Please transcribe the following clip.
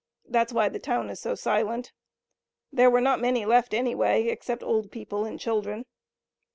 That's why the town is so silent. There were not many left anyway, except old people and children.